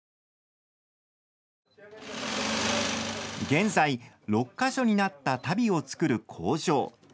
現在、６か所になった足袋を作る工場。